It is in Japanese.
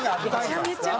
めちゃめちゃ怖い。